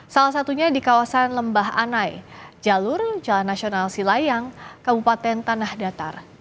salah satunya di kawasan lembah anai jalur jalan nasional silayang kabupaten tanah datar